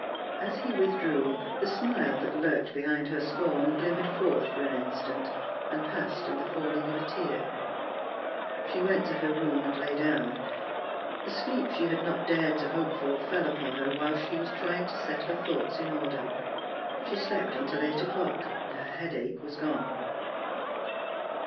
As he withdrew, the smile that lurked behind her scorn glimmered forth for an instant, and passed in the falling of a tear. She went to her room, and lay down. The sleep she had not dared to hope for fell upon her whilst she was trying to set her thoughts in order. She slept until eight o'clock; her headache was gone.